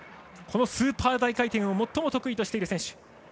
このスーパー大回転を最も得意とする選手。